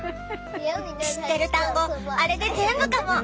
知ってる単語あれで全部かも。